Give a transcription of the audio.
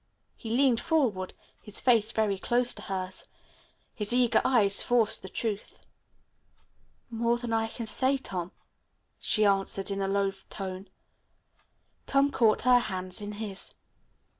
He leaned forward, his face very close to hers. His eager eyes forced the truth. "More than I can say, Tom," she answered in a low tone. Tom caught her hands in his.